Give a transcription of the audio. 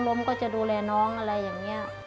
รับห่วงไม่ทอดทิ้ง